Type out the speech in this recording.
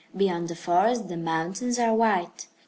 Beyond the forest the mountains are white.